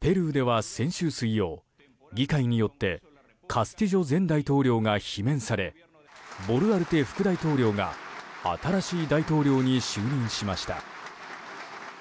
ペルーでは先週水曜議会によってカスティジョ前大統領が罷免されボルアルテ副大統領が新しい大統領に就任しました。